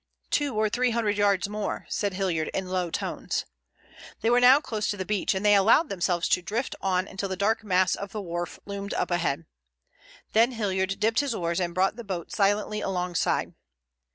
"Two or three hundred yards more," said Hilliard in low tones. They were now close to the beach, and they allowed themselves to drift on until the dark mass of the wharf loomed up ahead. Then Hilliard dipped his oars and brought the boat silently alongside.